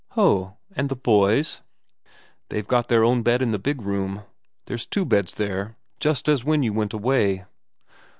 "Ho! And the boys?" "They've their own bed in the big room. There's two beds there, just as when you went away."